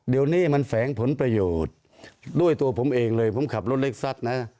เดี๋ยวนี้มันแฝงผลประโยชน์ด้วยตัวผมเองเลยผมขับรถเล็กซัดนะ